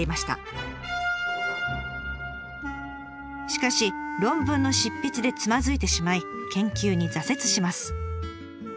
しかし論文の執筆でつまずいてしまい研究に挫折します。